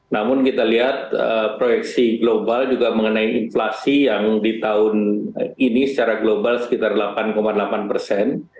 namun kita lihat proyeksi global juga mengenai inflasi yang di tahun ini secara global sekitar delapan delapan persen